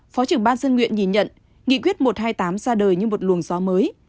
phó trưởng ban dân nguyện nhìn nhận nghị quyết một trăm hai mươi tám ra đời như một luồng gió mới